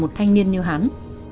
một thanh niên như hắn